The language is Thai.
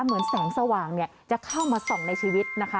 เหมือนแสงสว่างจะเข้ามาส่องในชีวิตนะคะ